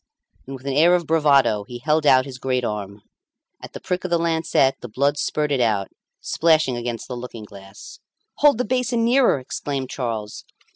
And with an air of bravado he held out his great arm. At the prick of the lancet the blood spurted out, splashing against the looking glass. "Hold the basin nearer," exclaimed Charles.